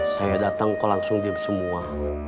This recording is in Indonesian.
saya dateng kau langsung diam semua